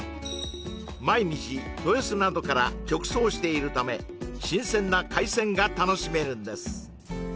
毎日豊洲などから直送しているため新鮮な海鮮が楽しめるんです